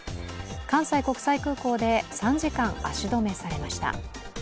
関西国際空港で３時間、足止めされました。